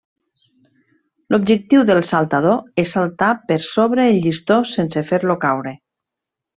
L'objectiu del saltador és saltar per sobre el llistó sense fer-lo caure.